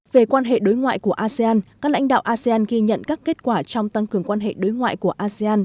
về quan hệ đối ngoại của asean các lãnh đạo asean ghi nhận các kết quả trong tăng cường quan hệ đối ngoại của asean